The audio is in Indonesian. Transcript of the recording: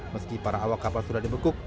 meski para awak kapal sudah dibekuk